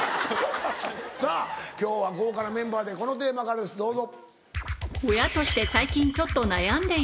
さぁ今日は豪華なメンバーでこのテーマからですどうぞ。